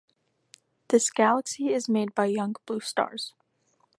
This galaxy is made by young blue stars.